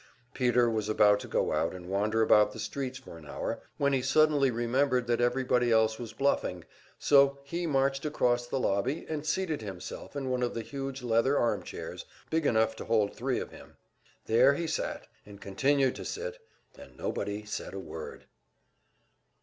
Peter was about to go out and wander about the streets for an hour, when he suddenly remembered that everybody else was bluffing; so he marched across the lobby and seated himself in one of the huge leather arm chairs, big enough to hold three of him. There he sat, and continued to sit and nobody said a word!